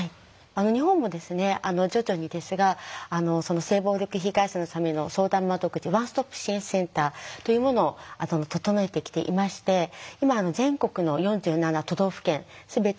日本も徐々にですが性暴力被害者のための相談窓口ワンストップ支援センターというものを整えてきていまして今全国の４７都道府県全ての都道府県に設置はされています。